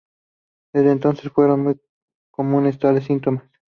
Desde entonces fueron muy comunes tales síntomas.